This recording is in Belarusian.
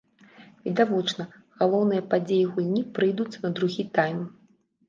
Відавочна, галоўныя падзеі гульні прыйдуцца на другі тайм!